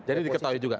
jadi diketahui juga